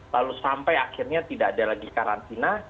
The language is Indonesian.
lalu sampai akhirnya tidak ada lagi karantina